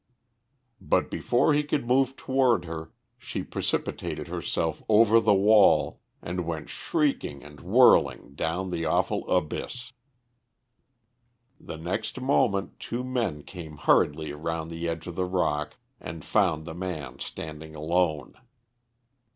But before he could move toward her she precipitated herself over the wall, and went shrieking and whirling down the awful abyss. The next moment two men came hurriedly round the edge of the rock, and found the man standing alone.